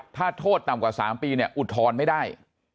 ถ้าโทษต่ำกว่า๓ปีอุทธรณไม่ได้